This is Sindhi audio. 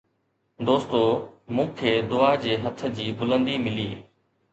دوستو! مون کي دعا جي هٿ جي بلندي ملي